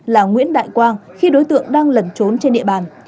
là nguyễn đại quang khi đối tượng đang lẩn trốn trên địa bàn